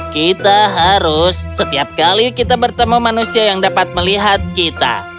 kita harus setiap kali kita bertemu manusia yang dapat melihat kita